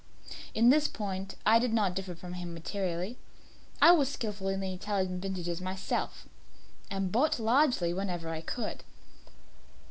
In this respect I did not differ from him materially: I was skillful in the Italian vintages myself, and bought largely whenever I could.